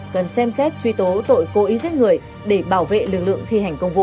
cần xem xét truy tố tội cố ý giết người để bảo vệ lực lượng thi hành công vụ